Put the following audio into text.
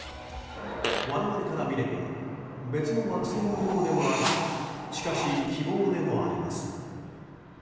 我々から見れば別の惑星のようでもありしかし、希望でもあります。